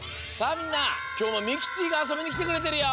みんなきょうもミキティがあそびにきてくれてるよ。